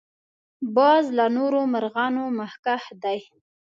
باز له نورو مرغانو مخکښ دی